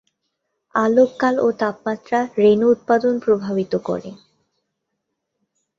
আলোককাল ও তাপমাত্রা রেণু উৎপাদন প্রভাবিত করে।